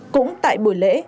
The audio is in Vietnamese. cũng tại buổi lễ